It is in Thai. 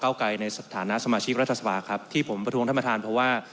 เกาไกวในสถานะสมาชิกรัฐสภาควรครับที่ผมประธุงท่านบังคับเพราะว่า